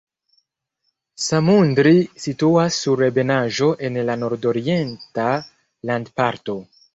Samundri situas sur ebenaĵo en la nordorienta landparto.